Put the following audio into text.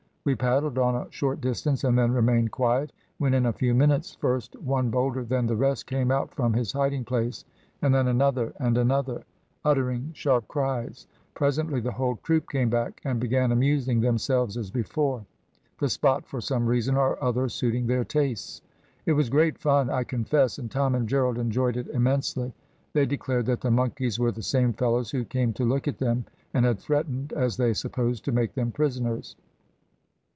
We paddled on a short distance and then remained quiet, when in a few minutes, first one bolder than the rest came out from his hiding place, and then another, and another, uttering sharp cries; presently the whole troop came back, and began amusing themselves as before, the spot for some reason or other suiting their tastes. It was great fun, I confess, and Tom and Gerald enjoyed it immensely. They declared that the monkeys were the same fellows who came to look at them and had threatened, as they supposed, to make them prisoners.